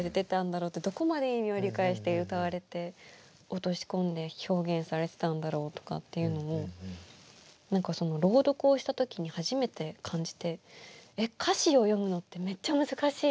どこまで意味を理解して歌われて落とし込んで表現されてたんだろうとかっていうのも何かその朗読をした時に初めて感じてえっ歌詞を読むのってめっちゃ難しいって。